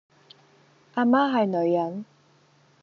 阿媽係女人